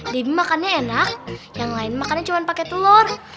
debi makannya enak yang lain makannya cuma pake telur